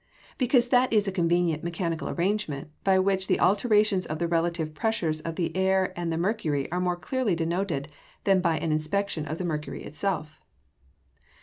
_ Because that is a convenient mechanical arrangement, by which the alterations of the relative pressures of the air and the mercury are _more clearly denoted than by an inspection of the mercury itself.